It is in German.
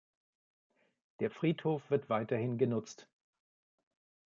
Der Friedhof wird weiterhin genutzt.